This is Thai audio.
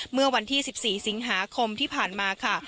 เมื่อวันที่๑๔สิงหาคมที่ผ่านมาค่ะ